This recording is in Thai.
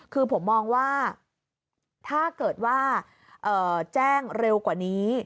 คือผมมองว่าถ้าเกิดว่าแจ้งเร็วกว่านี้